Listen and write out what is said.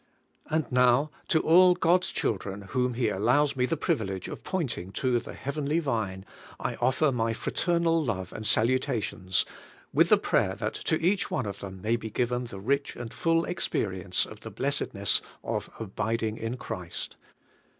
And now, to all God's children whom He allows me the privilege of pointing to the Heavenly Vine, I offer my fraternal love and salutations, with the prayer that to each one of them may be given the rich and full experience of the blessedness of abiding in Christ.